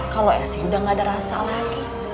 kalau esi udah gak ada rasa lagi